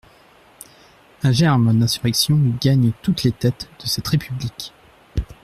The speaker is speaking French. Un germe d'insurrection gagne toutes les têtes de cette république.